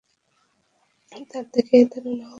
তার থেকেই এই ধারণা হয়েছে।